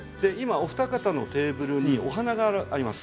お二方のテーブルにお花があります。